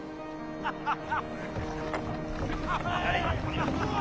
ハハハハ。